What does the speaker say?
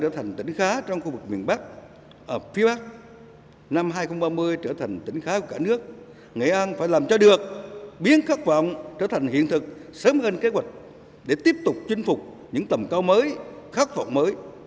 thủ tướng nguyễn xuân phúc đánh giá cao những kết quả để tiếp tục chinh phục những tầm cao mới khắc phọng mới